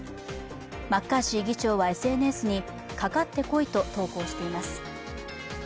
マッカーシー議長はＳＮＳにかかってこいと投稿しています。